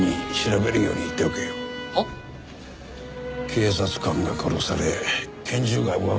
警察官が殺され拳銃が奪われた重大事件だ。